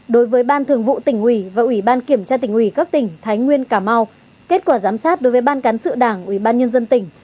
đối với ban thường vụ tỉnh ủy và ủy ban kiểm tra tỉnh ủy các tỉnh thái nguyên cà mau kết quả giám sát đối với ban cán sự đảng ủy ban nhân dân tỉnh